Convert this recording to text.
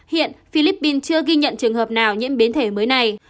hiện philippines chưa ghi nhận trường hợp nào nhiễm biến thể mới này